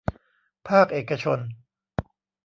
ภาคเอกชน